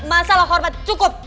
masalah hormat cukup